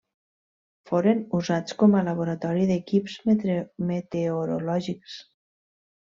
Foren usats com a laboratori d'equips meteorològics.